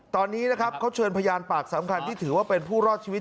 ตอนนี้นะครับเขาเชิญพยานปากสำคัญที่ถือว่าเป็นผู้รอดชีวิต